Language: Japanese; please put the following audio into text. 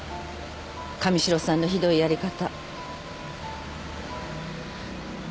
神代さんのひどいやり方。